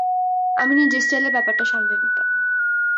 আমি নিজের স্টাইলে ব্যাপারটা সামলে নিতাম।